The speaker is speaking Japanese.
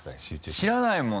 知らないもん